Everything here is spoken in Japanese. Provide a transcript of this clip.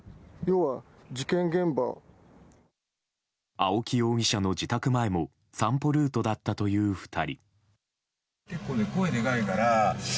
青木容疑者の自宅前も散歩ルートだったという２人。